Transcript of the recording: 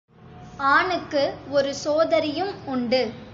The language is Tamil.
ஆனுக்கு ஒரு சோதரியும் உண்டு.